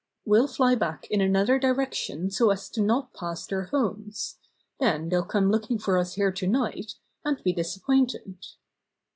We'll fly back in another direction so as not to pass their homes. Then they'll come looking for us here tonight, and be disappointed."